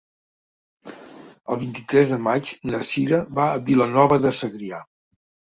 El vint-i-tres de maig na Cira va a Vilanova de Segrià.